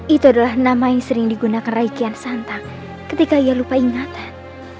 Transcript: itu adalah nama yang sering digunakan raikian santa ketika ia lupa ingatan